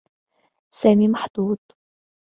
سامي محظوظ.